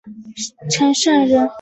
陈胜人。